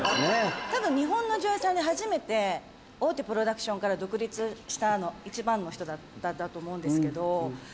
多分日本の女優さんで初めて大手プロダクションから独立した一番の人だったと思うんですけど。